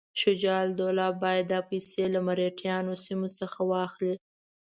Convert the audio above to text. شجاع الدوله باید دا پیسې له مرهټیانو سیمو څخه واخلي.